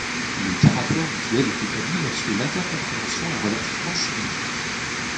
Le caractère mutuel est établi lorsque l'intercompréhension est relativement symétrique.